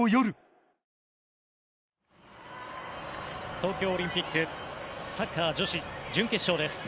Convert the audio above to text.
東京オリンピックサッカー女子準決勝です。